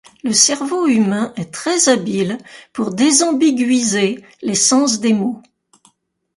Le cerveau humain est très habile pour désambiguïser les sens des mots.